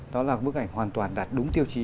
đó là bức ảnh hoàn toàn đạt đúng tiêu chí